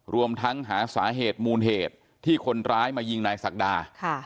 รวมทั้งหาสาเหตุมูลเหตุที่คนร้ายมายิงนายศักดา